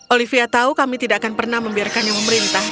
olivia tahu kami tidak akan pernah membiarkannya memerintah